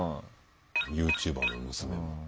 ユーチューバーの娘も。